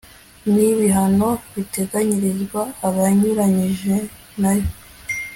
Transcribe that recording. n'ibihano biteganyirizwa abanyuranyijenayo